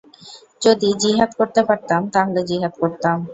যদি জিহাদ করতে পারতাম, তাহলে জিহাদ করতাম।